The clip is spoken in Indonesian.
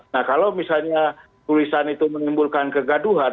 nah kalau misalnya tulisan itu menimbulkan kegaduhan